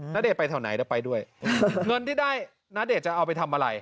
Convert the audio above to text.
นาเดชไปแถวไหนก็ไปด้วยเงินที่ได้นาเดชจะเอาไปทำอะไร